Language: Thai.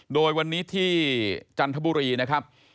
โดยวันนี้ที่จันทบุรีนะครับ